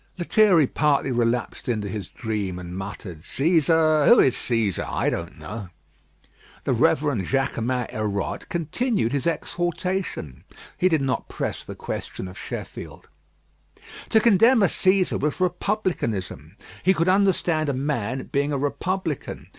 Lethierry partly relapsed into his dream and muttered: "Cæsar? who is Cæsar? I don't know." The Rev. Jaquemin Hérode continued his exhortations. He did not press the question of Sheffield. To contemn a Cæsar was republicanism. He could understand a man being a republican.